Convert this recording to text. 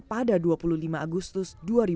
pada dua puluh lima agustus dua ribu dua puluh